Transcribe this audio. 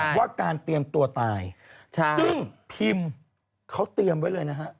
ว่าการเตรียมตัวตายซึ่งพิมพ์เขาเตรียมไว้เลยนะฮะ